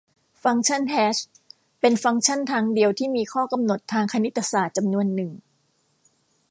ฟังก์ชันแฮชเป็นฟังก์ชันทางเดียวที่มีข้อกำหนดทางคณิตศาสตร์จำนวนหนึ่ง